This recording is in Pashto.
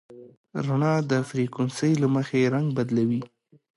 رڼا د فریکونسۍ له مخې رنګ بدلوي.